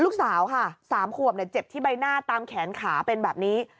ลูกสาวค่ะ๓ขวบเจ็บที่ใบหน้าตามแขนขาเป็นแบบนี้